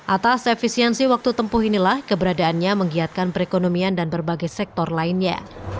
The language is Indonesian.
atas efisiensi waktu tempuh inilah keberadaannya menggiatkan perekonomian dan berbagai sektor lainnya